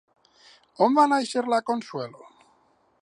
On va néixer la Consuelo?